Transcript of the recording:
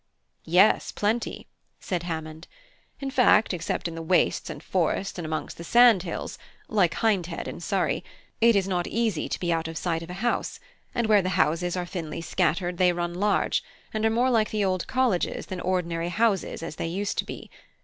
"Yes, plenty," said Hammond; "in fact, except in the wastes and forests and amongst the sand hills (like Hindhead in Surrey), it is not easy to be out of sight of a house; and where the houses are thinly scattered they run large, and are more like the old colleges than ordinary houses as they used to be.